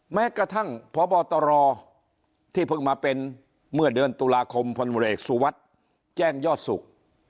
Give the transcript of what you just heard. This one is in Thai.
แม้กระทั่งพบตรที่เพิ่งมาเป็นเมื่อเดือนตุลาคมพลเอกสุวัสดิ์แจ้งยอดสุข